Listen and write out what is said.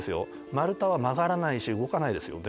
丸太は曲がらないし動かないですよね。